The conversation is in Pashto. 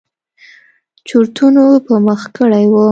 چورتونو په مخه کړى وم.